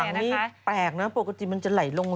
ขังนี่แปลกนะปกติมันจะไหลลงนะ